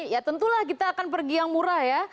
ya tentulah kita akan pergi yang murah ya